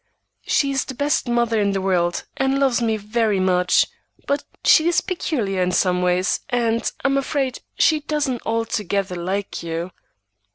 "She is the best mother in the world, and loves me very much, but she is peculiar in some ways, and I am afraid she doesn't altogether like you.